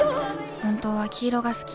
本当は黄色が好き。